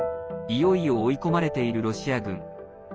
いよいよ追い込まれているロシア軍。